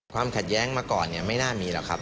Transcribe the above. ความขัดแย้งมาก่อนไม่น่ามีหรอกครับ